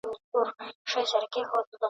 زما پر زړه باندي تل اورې زما یادېږې ..